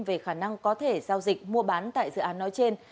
về khả năng có thể giao dịch mua bán tại dự án nói trên